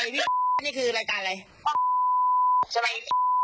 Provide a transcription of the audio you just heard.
นี่คือรายการอะไร